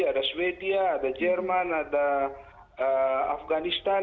ada sweden ada jerman ada afganistan